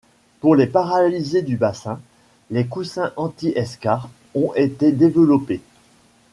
Pour les paralysés du bassin, des coussins anti-escarres ont été développés.